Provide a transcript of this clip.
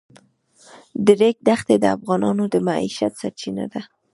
د ریګ دښتې د افغانانو د معیشت سرچینه ده.